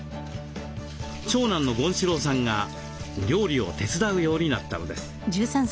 長男の権志朗さんが料理を手伝うようになったのです。